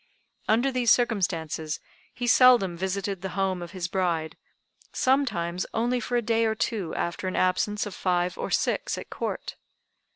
Under these circumstances he seldom visited the home of his bride, sometimes only for a day or two after an absence of five or six at Court.